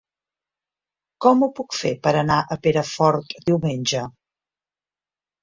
Com ho puc fer per anar a Perafort diumenge?